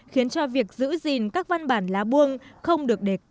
khiến cho việc giữ gìn các văn bản lá buông không được đẹp